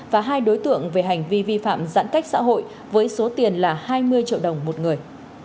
và hai đối tượng về hành vi vi phạm giãn cách xã hội với số tiền là hai mươi triệu đồng một người